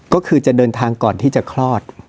ก็คือจะเดินทางก่อนที่จะคลอด